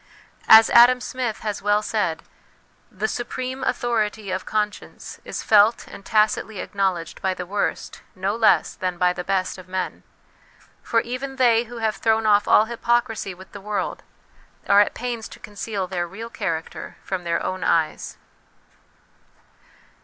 As Adam Smith has well said, "The supreme authority of conscience is felt and tacitly acknow ledged by the worst, no less than by the best, of men ; for even they who have thrown off all hypocrisy with the world, are at pains to conceal their real character from their own eyes."